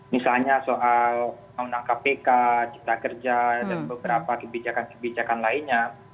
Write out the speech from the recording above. misalnya soal undang kpk cipta kerja dan beberapa kebijakan kebijakan lainnya